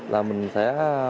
là mình sẽ